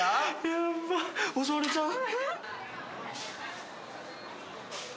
やばっ襲われちゃう。